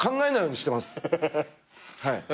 はい。